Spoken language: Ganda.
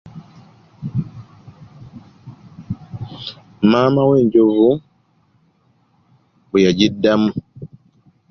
Maama we'enjovu bwe yagiddamu.